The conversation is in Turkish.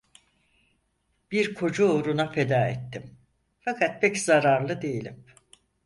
Bir koca uğruna feda ettim, fakat pek zararlı değilim!